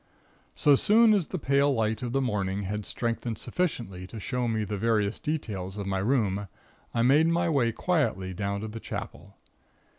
"So soon as the pale light of the morning had strengthened sufficiently to show me the various details of my room, I made my way quietly down to the Chapel.